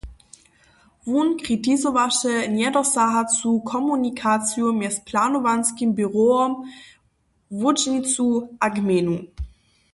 Wón kritizowaše njedosahacu komunikaciju mjez planowanskim běrowom, łódźnicu a gmejnu.